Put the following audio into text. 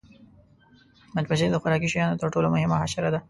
مچمچۍ د خوراکي شاتو تر ټولو مهمه حشره ده